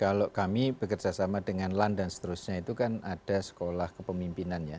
kalau kami bekerjasama dengan lan dan seterusnya itu kan ada sekolah kepemimpinan ya